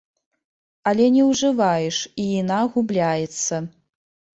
Але не ўжываеш, і яна губляецца.